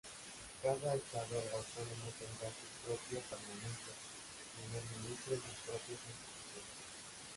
Cada estado autónomo tendrá su propio parlamento, primer ministro y sus propias instituciones.